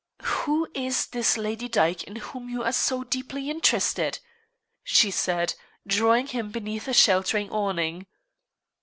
"Who is this Lady Dyke in whom you are so deeply interested?" she said, drawing him beneath a sheltering awning.